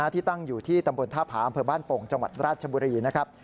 ที่ตั้งอยู่ที่ตำบลท่าผาอำเภอบ้านโป่งจังหวัดราชบุรีนะครับ